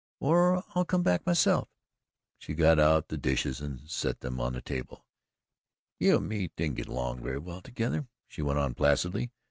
"Or, I'll come back myself." She got out the dishes and set them on the table. "You an' me don't git along very well together," she went on placidly.